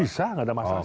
bisa nggak ada masalah